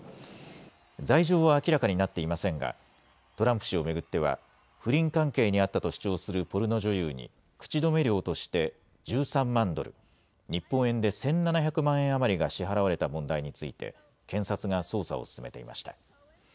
罪状は明らかになっていませんが、トランプ氏を巡っては、不倫関係にあったと主張するポルノ女優に口止め料として１３万ドル、日本円で１７００万円余りが支払われた問題について、検察が捜査を進めていました。